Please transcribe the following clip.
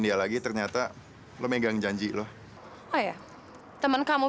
paling nomernya juga gak aktif